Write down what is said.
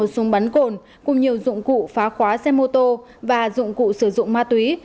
một súng bắn cồn cùng nhiều dụng cụ phá khóa xe mô tô và dụng cụ sử dụng ma túy